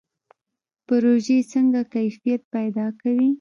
پروژې څنګه کیفیت پیدا کوي؟